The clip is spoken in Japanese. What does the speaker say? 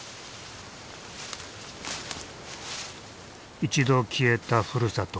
一度消えたふるさと。